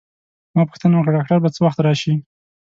ما پوښتنه وکړه: ډاکټر به څه وخت راشي؟